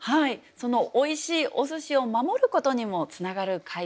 そのおいしいお寿司を守ることにもつながる解決策です。